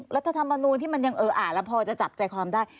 รัฐธรรมนูลที่มันยังเอออ่านแล้วพอจะจับใจความได้